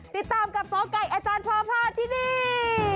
ติดตามกับหมอไก่อาจารย์พอพาที่นี่